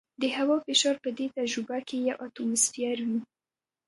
د هوا فشار په دې تجربه کې یو اټموسفیر وي.